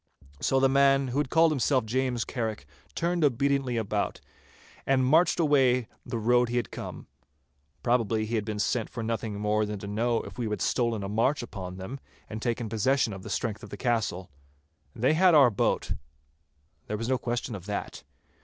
So the man who had called himself James Carrick turned obediently about, and marched away the road he had come. Probably he had been sent for nothing more than to know if we had stolen a march upon them, and taken possession of the strength of the castle. They had our boat—there was no question of that.